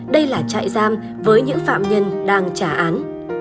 các phạm nhân đang trả án